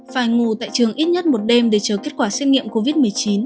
phải ngủ tại trường ít nhất một đêm để chờ kết quả xét nghiệm covid một mươi chín